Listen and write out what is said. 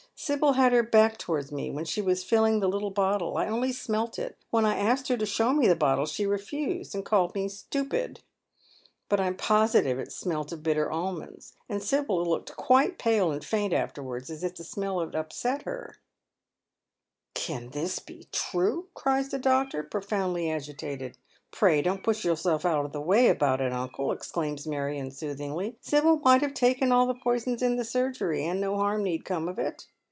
Sibyl had her back towards me while she was filling the little bottle. I only smelt it. When I asked her to show me the bottle, she refused, and called me a fitupid. But I'm positive it smelt of bitter almonds ; and Sibyl looked quite pale and faint afterwards, as if the smell had upset her too." " Can this be true ?" cries the doctor, profoundly agitated. " Pray don't put yourself out of the way about it, imcle," ex claims Marion, soothingly. " Sibyl might have taken all the poisons in the surgery, and no harm need come of it.